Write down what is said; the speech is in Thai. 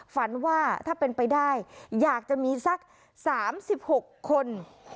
ฝันว่าถ้าเป็นไปได้อยากจะมีสัก๓๖คน